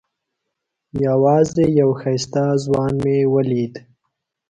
یوازې یو ښایسته ځوان مې ولید.